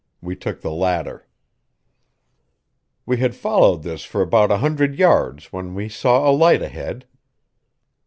We took the latter. We had followed this for about a hundred yards when we saw a light ahead.